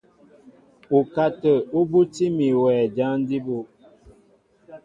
Ukátə̂ ú bútí mi a wɛ jǎn jí bú.